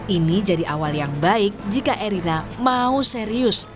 ini jadi awal yang baik jika erina mau serius